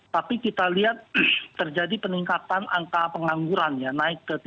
tapi kita lihat terjadi peningkatan angka pengangguran ya naik ke tiga puluh